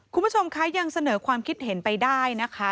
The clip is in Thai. คุณผู้ชมคะยังเสนอความคิดเห็นไปได้นะคะ